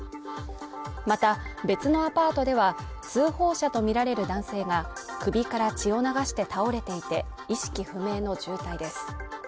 また別のアパートでは、通報者とみられる男性が首から血を流して倒れていて意識不明の重体です。